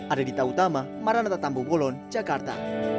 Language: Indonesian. adedita utama maranata tambu bolon jakarta